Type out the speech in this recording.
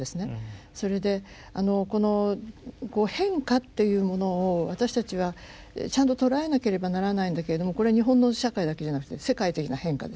それでこの変化っていうものを私たちはちゃんと捉えなければならないんだけれどもこれは日本の社会だけじゃなくて世界的な変化ですよね。